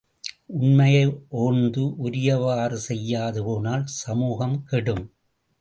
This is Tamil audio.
உண்மையை ஓர்ந்து உரியவாறு செய்யாது போனால் சமூகம் கெடும்!